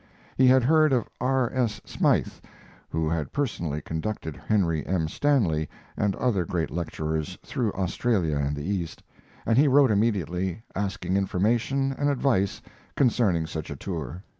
He had heard of R. S. Smythe, who had personally conducted Henry M. Stanley and other great lecturers through Australia and the East, and he wrote immediately, asking information and advice concerning such a tour.